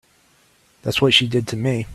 That's what she did to me.